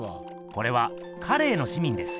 これは「カレーの市民」です。